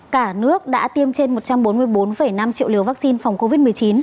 cả nước đã tiêm trên một trăm bốn mươi bốn năm triệu liều vaccine phòng covid một mươi chín